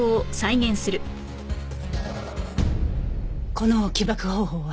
この起爆方法は。